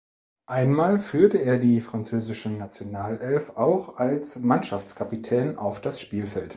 Einmal führte er die französische Nationalelf auch als Mannschaftskapitän auf das Spielfeld.